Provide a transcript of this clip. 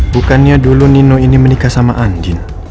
bukannya dulu nino ini menikah sama andin